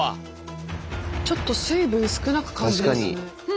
ちょっと水分少なく感じますね。